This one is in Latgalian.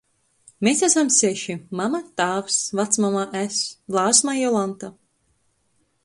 Mes asam seši — mama, tāvs, vacmama, es, Lāsma i Jolanta.